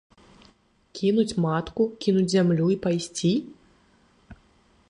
Кінуць матку, кінуць зямлю і пайсці?!